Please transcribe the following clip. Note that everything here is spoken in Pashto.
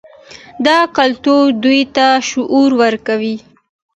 دا کلتور دوی ته شعور ورکوي.